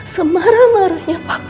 semarah marahnya papa sama mama